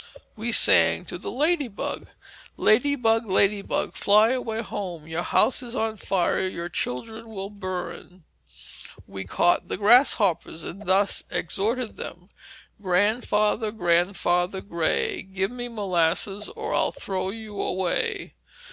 We sang to the lady bug: "Lady bug, lady bug, fly away home; Your house is on fire, your children will burn." We caught the grasshoppers, and thus exhorted them: "Grandfather, grandfather gray, Give me molasses, or I'll throw you away."